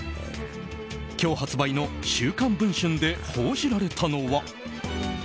今日発売の「週刊文春」で報じられたのは。